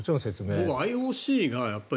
僕はＩＯＣが。